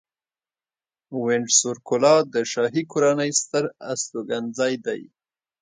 وینډسور کلا د شاهي کورنۍ ستر استوګنځی دی.